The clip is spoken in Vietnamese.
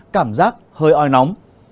cảm giác hơi oi nóng